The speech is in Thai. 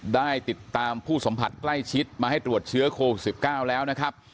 ได้ติดตามผู้สัมผัสใกล้ชิดมาให้ตรวจเชื้อโควิด๑๙แล้วนะครับ